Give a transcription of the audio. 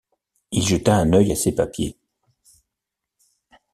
Il jeta un œil à ses papiers.